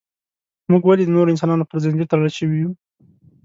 موږ ولې د نورو انسانانو پر زنځیر تړل شوي یو.